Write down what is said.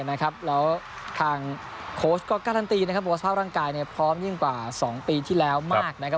แล้วทางโคชก็กรรตีว่าสภาพร่างกาย์นิยมพร้อมอีกกว่า๒ปีที่แล้วมาก